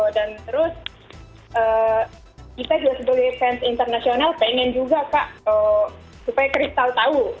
dan terus kita juga sebagai fans internasional pengen juga kak supaya crystal tau